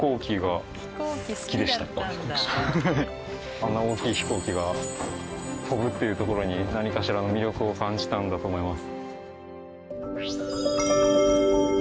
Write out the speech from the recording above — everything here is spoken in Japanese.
あんな大きい飛行機が飛ぶっていうところに何かしらの魅力を感じたのだと思います。